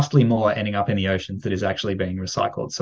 itu lebih banyak yang terjadi di laut yang sebenarnya dilakukan pembuangan sampah